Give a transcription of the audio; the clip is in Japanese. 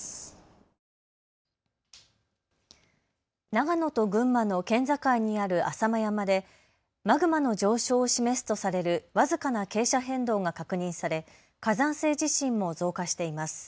長野と群馬の県境にある浅間山でマグマの上昇を示すとされる僅かな傾斜変動が確認され火山性地震も増加しています。